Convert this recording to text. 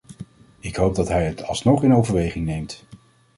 Ik hoop dat hij het alsnog in overweging neemt.